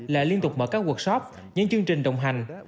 lại liên tục mở các workshop những chương trình đồng hành